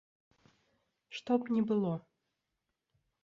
Што б ні было.